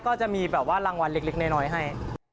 ก็จะมีแบบว่ารางวัลเล็กน้อยให้